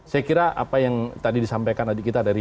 saya kira apa yang tadi disampaikan tadi kita dari p tiga